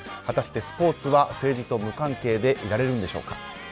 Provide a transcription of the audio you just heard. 果たして、スポーツは政治と無関係でいられるのでしょうか。